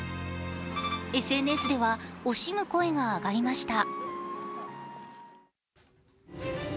ＳＮＳでは惜しむ声が上がりました。